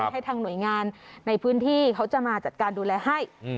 ให้ทางหน่วยงานในพื้นที่เขาจะมาจัดการดูแลให้